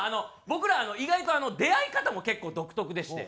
僕ら意外と出会い方も結構独特でして。